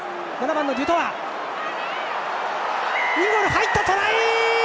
入った！トライ！